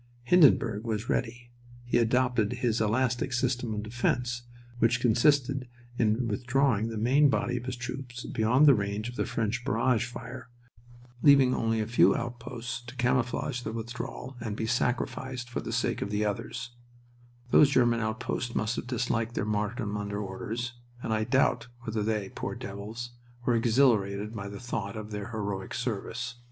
Hindenburg was ready. He adopted his "elastic system of defense," which consisted in withdrawing the main body of his troops beyond the range of the French barrage fire, leaving only a few outposts to camouflage the withdrawal and be sacrificed for the sake of the others (those German outposts must have disliked their martyrdom under orders, and I doubt whether they, poor devils, were exhilarated by the thought of their heroic service).